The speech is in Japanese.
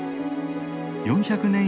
４００年